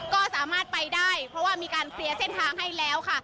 ก็สามารถไปได้เพราะว่ามีการเคลียร์เส้นทางให้แล้วค่ะ